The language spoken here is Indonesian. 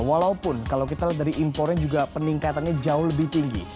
walaupun kalau kita lihat dari impornya juga peningkatannya jauh lebih tinggi